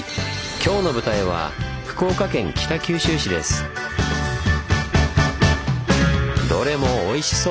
今日の舞台はどれもおいしそう！